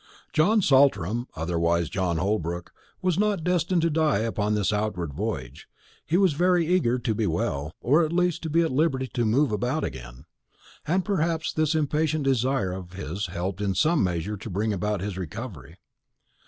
John Saltram, otherwise John Holbrook, was not destined to die upon this outward voyage. He was very eager to be well, or at least to be at liberty to move about again; and perhaps this impatient desire of his helped in some measure to bring about his recovery.